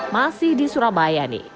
masih di surabaya nih